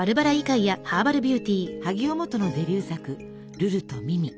萩尾望都のデビュー作「ルルとミミ」。